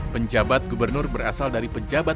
penjabat gubernur berasal dari penjabat